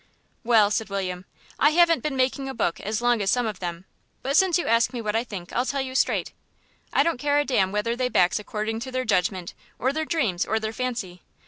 "Well," said William, "I haven't been making a book as long as some of them, but since you ask me what I think I tell you straight. I don't care a damn whether they backs according to their judgment, or their dreams, or their fancy.